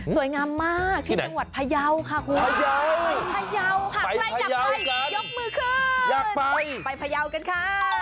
สวยงามมากที่จังหวัดพยาวค่ะครับครับพยาวค่ะใครอยากไปยกมือขึ้นไปพยาวกันค่ะ